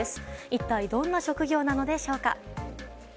一体どんな職業なのでしょうか？